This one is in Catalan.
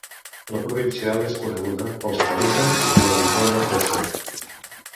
La provincial és coneguda pels pelicans i el licor de préssec.